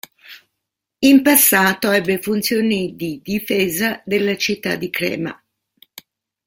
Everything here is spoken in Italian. In passato ebbe funzioni di difesa della città di Crema.